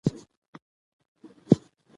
ځمکه د افغانانو د تفریح یوه وسیله ده.